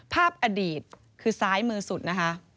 ภาพอดีตคือซ้ายมือสุดนะคะ